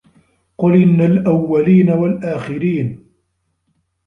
قُل إِنَّ الأَوَّلينَ وَالآخِرينَ